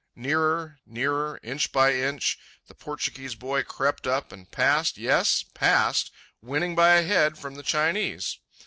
Nearer, nearer, inch by inch, the Portuguese boy crept up, and passed, yes, passed, winning by a head from the Chinese.